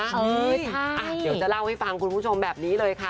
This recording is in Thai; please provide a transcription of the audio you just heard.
เดี๋ยวจะเล่าให้ฟังคุณผู้ชมแบบนี้เลยค่ะ